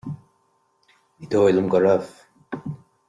Ní dóigh liom go raibh